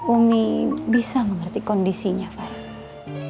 umi bisa mengerti kondisinya farah